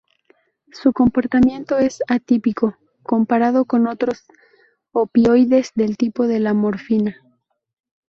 Su comportamiento es atípico comparado con otros opioides del tipo de la morfina.